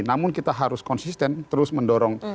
namun kita harus konsisten terus mendorong